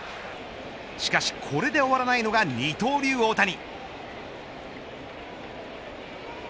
しかし、これで終わらないのが二刀流大谷。